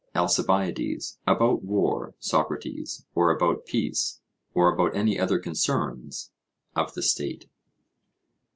ALCIBIADES: About war, Socrates, or about peace, or about any other concerns of the state.